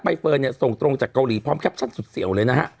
เฟิร์นเนี่ยส่งตรงจากเกาหลีพร้อมแคปชั่นสุดเสี่ยวเลยนะฮะ